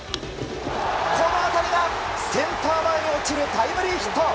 この当たりがセンター前に落ちるタイムリーヒット。